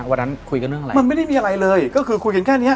วันนั้นคุยกันเรื่องอะไรมันไม่ได้มีอะไรเลยก็คือคุยกันแค่เนี้ย